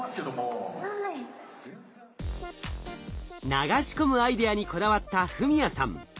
流し込むアイデアにこだわった史哉さん。